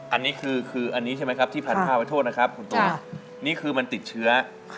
อันนี้ใช่ไหมครับที่ผ่านผ้าไว้โทษนะครับคุณตุ๋มนี่คือมันติดเชื้อ